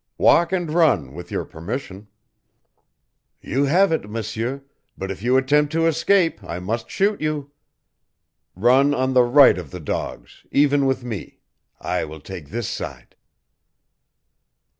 "Walk and run, with your permission." "You have it, M'seur, but if you attempt to escape I must shoot you. Run on the right of the dogs even with me. I will take this side."